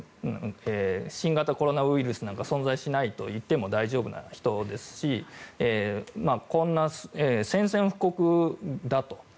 新型コロナウイルスなんか存在しないと言っても大丈夫な人ですしこんな宣戦布告だと。